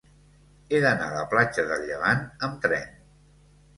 He d'anar a la platja del Llevant amb tren.